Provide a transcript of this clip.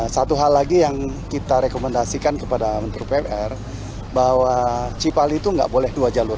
satu hal lagi yang kita rekomendasikan kepada menteri pmr bahwa cipal itu enggak boleh dua jalan